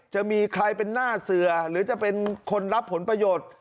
จะมีใครเป็นหน้าเสือหรือจะเป็นคนรับผลประโยชน์